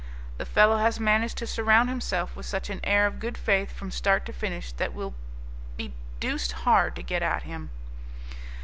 The fellow has managed to surround himself with such an air of good faith from start to finish that it will be deuced hard to get at him."